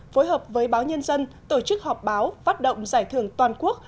phối hợp với báo nhân dân tổ chức họp báo phát động giải thưởng toàn quốc